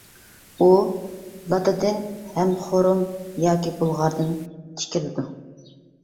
ئۇ، لاتىدىن ھەم خۇرۇم ياكى بۇلغاردىن تىكىلىدۇ.